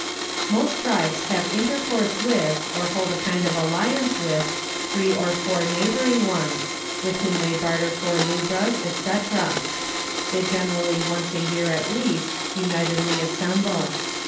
Most tribes have intercourse or hold a kind of alliance with three or four neighbouring ones, with whom they barter for lubras, &c. They generally once a year at least unitedly assemble.